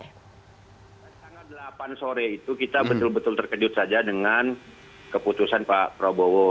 tanggal delapan sore itu kita betul betul terkejut saja dengan keputusan pak prabowo